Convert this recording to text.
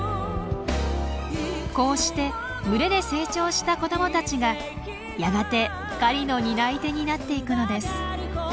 こうして群れで成長した子どもたちがやがて狩りの担い手になっていくのです。